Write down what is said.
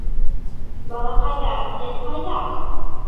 Балаҡайҙар, һеҙ ҡайҙа?